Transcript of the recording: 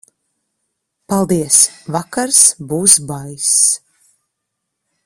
Paldies, vakars būs baiss.